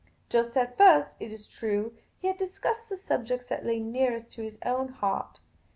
Just at first, it is true, he had discussed the subjects that la} nearest to his own heart.